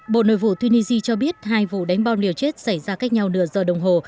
bộ nội vụ tunisia cho biết hai vụ đánh bom liều chết xảy ra cách nhau nửa giờ đồng hồ